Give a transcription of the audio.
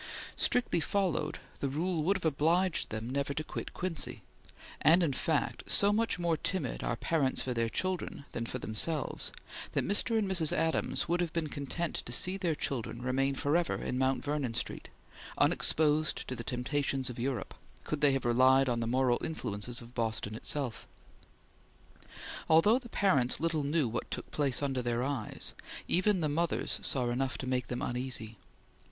Strictly followed, the rule would have obliged them never to quit Quincy; and, in fact, so much more timid are parents for their children than for themselves, that Mr. and Mrs. Adams would have been content to see their children remain forever in Mount Vernon Street, unexposed to the temptations of Europe, could they have relied on the moral influences of Boston itself. Although the parents little knew what took place under their eyes, even the mothers saw enough to make them uneasy.